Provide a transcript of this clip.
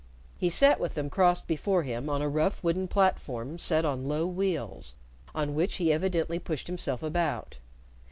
He sat with them crossed before him on a rough wooden platform set on low wheels, on which he evidently pushed himself about.